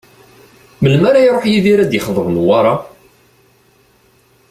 Melmi ara iruḥ Yidir ad d-ixḍeb Newwara?